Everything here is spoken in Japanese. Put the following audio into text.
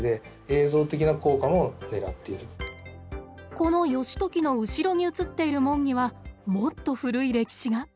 この義時の後ろに映っている門にはもっと古い歴史が。